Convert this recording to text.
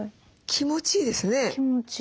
気持ちいいです。